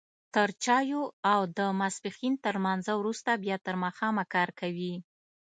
تر چايو او د ماسپښين تر لمانځه وروسته بيا تر ماښامه کار کوي.